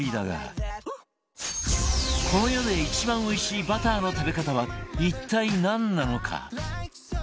この世で一番おいしいバターの食べ方は一体なんなのか？